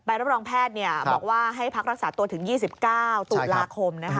รับรองแพทย์บอกว่าให้พักรักษาตัวถึง๒๙ตุลาคม